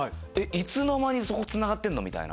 いつの間にそこつながってるの⁉みたいな。